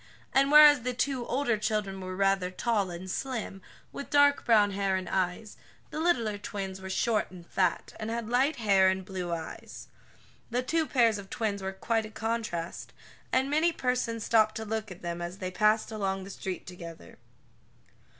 And, whereas the two older children were rather tall and slim, with dark brown hair and eyes, the littler twins were short and fat, and had light hair and blue eyes. The two pairs of twins were quite a contrast, and many persons stopped to look at them as they passed along the street together.